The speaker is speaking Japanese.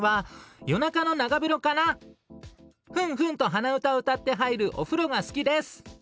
フンフンと鼻歌を歌って入るお風呂が好きです。